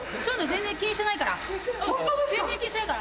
全然気にしてないから。